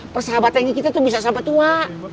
persahabat yang kita tuh bisa sahabat tua